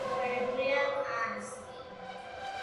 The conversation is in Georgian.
დასავლეთით განვითარებულია კარსტი.